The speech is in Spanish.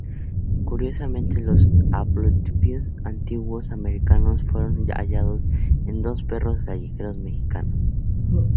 Curiosamente los haplotipos antiguos americanos fueron hallados en dos perros callejeros mexicanos.